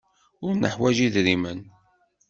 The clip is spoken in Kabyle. Ur neḥwaj idrimen.